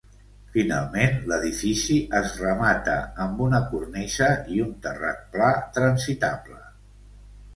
Finalment l'edifici es remata amb una cornisa i un terrat pla transitable.